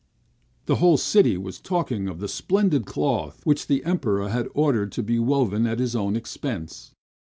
The whole city was talking of the splendid cloth which the Emperor had ordered to be woven at his own expense.